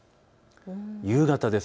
夕方です。